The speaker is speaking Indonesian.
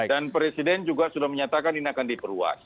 dan presiden juga sudah menyatakan ini akan diperluas